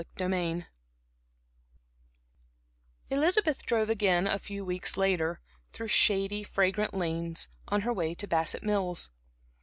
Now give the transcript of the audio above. Chapter VI Elizabeth drove again, a few weeks later, through shady, fragrant lanes, on her way to Bassett Mills.